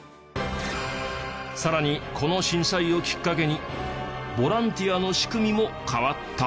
更にこの震災をきっかけにボランティアの仕組みも変わった。